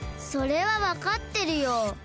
それはわかってるよ。